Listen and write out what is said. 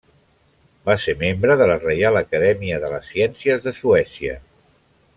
Va ser membre de la Reial Acadèmia de les Ciències de Suècia.